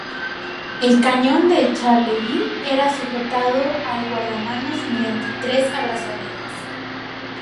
El cañón del Charleville era sujetado al guardamanos mediante tres abrazaderas.